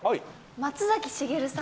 松崎しげるさん？